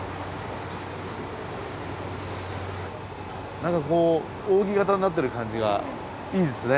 何かこう扇形になってる感じがいいですね。